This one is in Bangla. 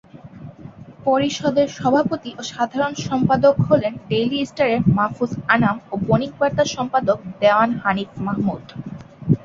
পরিষদের সভাপতি ও সাধারণ সম্পাদক হলেন ডেইলি স্টারের মাহফুজ আনাম ও বণিক বার্তা সম্পাদক দেওয়ান হানিফ মাহমুদ।